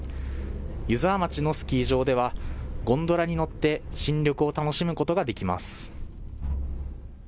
湯沢町のスキー場ではゴンドラに乗って新緑を楽しむことができます。